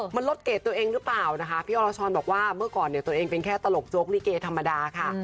มันลดเกรดตัวเองหรือเปล่านะคะพี่อรชรบอกว่าเมื่อก่อนเนี่ยตัวเองเป็นแค่ตลกโจ๊กลิเกธรรมดาค่ะ